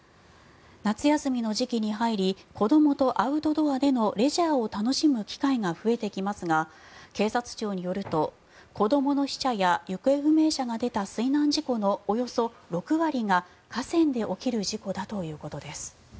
夏休みの時期に入り子どもとアウトドアでのレジャーを楽しむ機会が増えてきますが警察庁によると、子どもの死者や行方不明者が出た水難事故のおよそ６割が河川で起きる事故だということです。